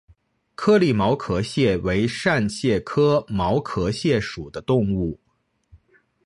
颗粒毛壳蟹为扇蟹科毛壳蟹属的动物。